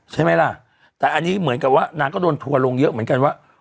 ใช่ไหมล่ะแต่อันนี้เหมือนกับว่านางก็โดนทัวร์ลงเยอะเหมือนกันว่า